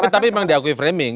tapi memang diakui framing